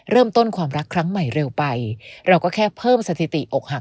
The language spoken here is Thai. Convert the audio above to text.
เริ่มต้นความรักครั้งใหม่เร็วไปเราก็แค่เพิ่มสถิติอกหัก